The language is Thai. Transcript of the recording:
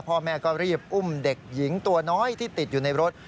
พ่อแม่ก็รีบอุ้มเด็กหญิงตัวน้อยที่ติดอยู่ในรถ